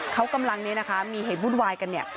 เขากำลังมีเหตุบุญวายกันเนี่ย